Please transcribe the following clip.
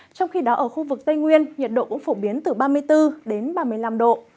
trong khi đó ở khu vực tây nguyên nhiệt độ cũng phổ biến từ ba mươi bốn đến ba mươi năm độ